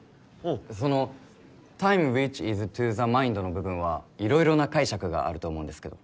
その「ｔｉｍｅ，ｗｈｉｃｈｉｓｔｏｔｈｅｍｉｎｄ」の部分はいろいろな解釈があると思うんですけど。